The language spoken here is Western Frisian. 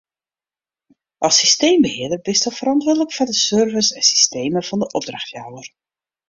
As systeembehearder bisto ferantwurdlik foar de servers en systemen fan de opdrachtjouwer.